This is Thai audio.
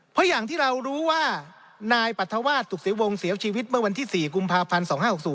เพราะอย่างที่เรารู้ว่านายปรัฐวาสตุกศรีวงศ์เสียชีวิตเมื่อวันที่๔กุมภาพันธ์๒๕๖๐